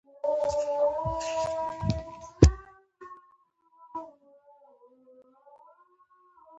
ازادي راډیو د اقتصاد په اړه د مجلو مقالو خلاصه کړې.